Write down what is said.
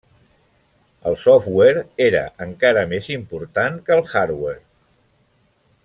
El software era encara més important que el hardware.